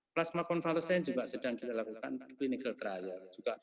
plasma konvalesen juga sedang kita lakukan clinical trial